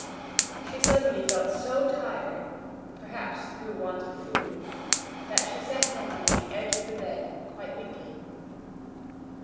She suddenly felt so tired perhaps through want of food that she sat down on the edge of the bed quite weakly.